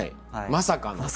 まさかの。